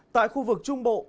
tại khu vực trung bộ